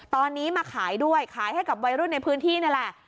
ตอนนี้มาขายด้วยขายให้กับวัยรุ่นในพื้นที่นี่แหละ